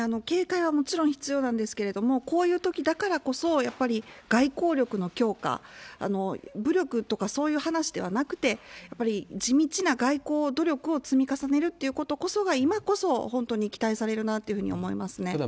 警戒はもちろん必要なんですけれども、こういうときだからこそ、やっぱり外交力の強化、武力とかそういう話ではなくて、やっぱり地道な外交努力を積み重ねるってことこそが、今こそ本当に期待されるなっていうふうに思いますね。